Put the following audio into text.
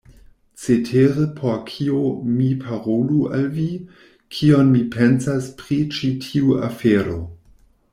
Cetere por kio mi parolu al vi, kion mi pensas pri ĉi tiu afero.